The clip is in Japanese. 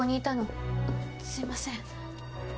あっすいません。